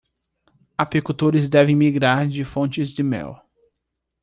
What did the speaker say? Apicultores devem migrar de fontes de mel